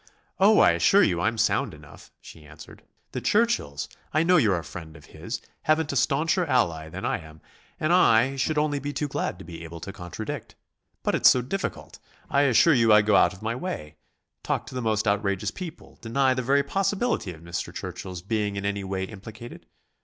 "Oh, I assure you I'm sound enough," she answered, "the Churchills I know you're a friend of his haven't a stauncher ally than I am, and I should only be too glad to be able to contradict. But it's so difficult. I assure you I go out of my way; talk to the most outrageous people, deny the very possibility of Mr. Churchill's being in any way implicated.